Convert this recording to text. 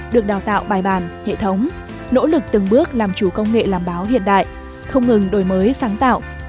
được đào tạo bài bản hệ thống nỗ lực từng bước làm chủ công nghệ làm báo hiện đại không ngừng đổi mới sáng tạo